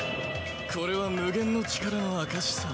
これは無限の力の証しさ。